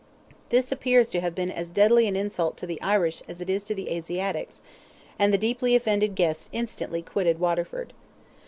This appears to have been as deadly an insult to the Irish as it is to the Asiatics, and the deeply offended guests instantly quitted Waterford.